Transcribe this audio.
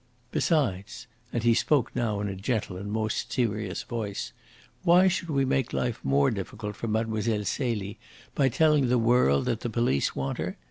Besides" and he spoke now in a gentle and most serious voice "why should we make life more difficult for Mlle. Celie by telling the world that the police want her?